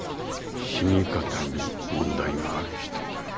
死に方に問題がある人だよ。